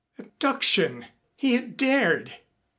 Abduction! He had dared!